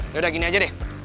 ya udah gini aja deh